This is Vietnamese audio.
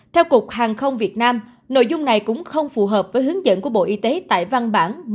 theo cục hàng không việt nam nội dung này cũng không phù hợp với hướng dẫn của bộ y tế tại văn bản một mươi nghìn sáu trăm tám mươi tám